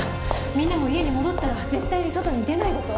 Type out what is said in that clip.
みんなも家に戻ったら絶対に外に出ないこと。